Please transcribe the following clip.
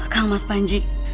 kang mas panji